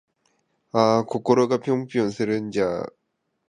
あぁ〜心がぴょんぴょんするんじゃぁ〜